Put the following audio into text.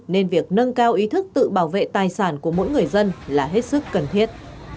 nên việc nâng cao ý thức tự bảo vệ tài sản của mỗi người dân là hết sức cần thiết